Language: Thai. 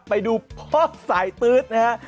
ไปดูพ่อสายตื๊ดนะฮะ